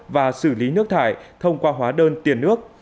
và xử lý nước thải thông qua hóa đơn tiền nước